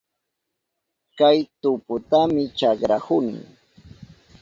Kay tuputami chakrahuni.